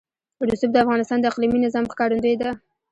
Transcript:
رسوب د افغانستان د اقلیمي نظام ښکارندوی ده.